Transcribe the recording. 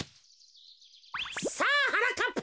さあはなかっぱ。